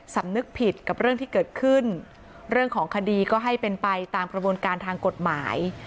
สำนึกผิดกับเรื่องที่เกิดขึ้นเรื่องของคดีก็ให้เป็นไปตามกระบวนการทางกฎหมาย